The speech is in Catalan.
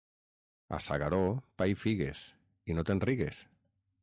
A S'Agaró, pa i figues i no te'n rigues.